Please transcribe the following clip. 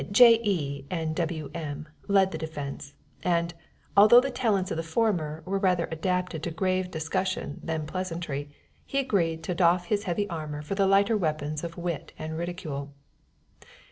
J.E. and W.M. led the defense, and, although the talents of the former were rather adapted to grave discussion than pleasantry, he agreed to doff his heavy armor for the lighter weapons of wit and ridicule.